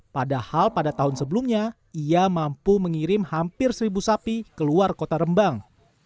padahal pada tahun sebelumnya ia mampu mengirim hampir seribu sapi ke luar kota rembang